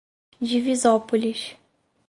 Divisópolis